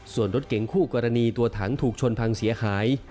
ส่วนรถเก๋งคู่กรณีตัวถังถูกชนพังเสียหาย